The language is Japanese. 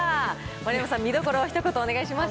丸山さん、見どころをひと言お願いします。